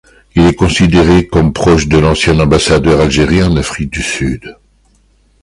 Il est considéré comme proche de l’ancien ambassadeur algérien en Afrique du Sud.